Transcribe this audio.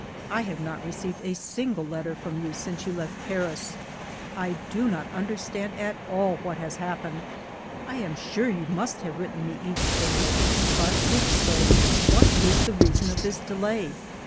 I have not received a single letter from you since you left Paris ; I do not understand at all what has happened ! 1 am sure you must have written me each day, but if so, what is the reason of this delay